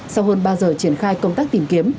sau hơn ba giờ triển khai công tác tìm kiếm